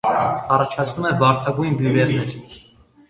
Առաջացնում է վարդագույն բյուրեղներ։